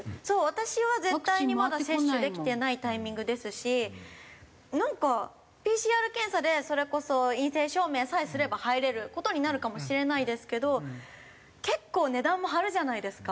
私は絶対にまだ接種できてないタイミングですしなんかＰＣＲ検査でそれこそ陰性証明さえすれば入れる事になるかもしれないですけど結構値段も張るじゃないですか。